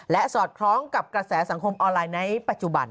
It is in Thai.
และสอดคล้องกับกระแสสังคมออนไลน์ในปัจจุบัน